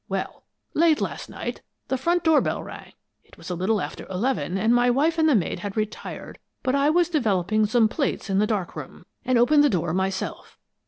"Well late last night, the front door bell rang. It was a little after eleven, and my wife and the maid had retired, but I was developing some plates in the dark room, and opened the door myself.